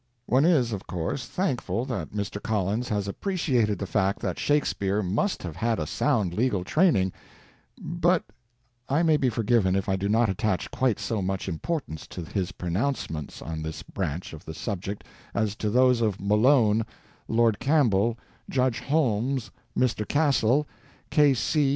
One is, of course, thankful that Mr. Collins has appreciated the fact that Shakespeare must have had a sound legal training, but I may be forgiven if I do not attach quite so much importance to his pronouncements on this branch of the subject as to those of Malone, Lord Campbell, Judge Holmes, Mr. Castle, K.C.